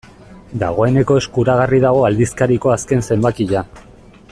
Dagoeneko eskuragarri dago aldizkariko azken zenbakia.